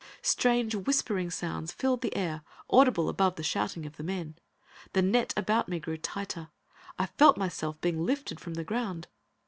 Strange whispering sounds filled the air, audible above the shouting of the men. The net about me grew tighter; I felt myself being lifted from the ground.